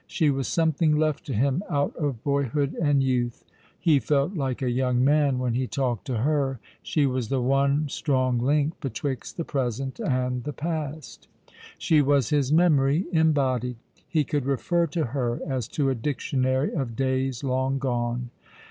She was something left to him out of boyhood and youth. He felt like a young man when he talked to her. She was the one strong link betwixt the present and the past. She '/6 All alono^ the River, <3 was liis memory embodied. He could refer to her as to a dictionary of days long gone.